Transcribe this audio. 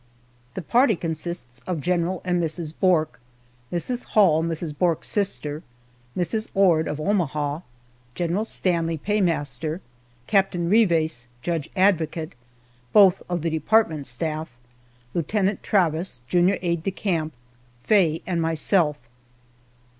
The party consists of General and Mrs. Bourke, Mrs. Hall, Mrs. Bourke's sister, Mrs. Ord of Omaha, General Stanley, paymaster, Captain Rives, judge advocate both of the department staff Lieutenant Travis, junior aide de camp, Faye, and myself.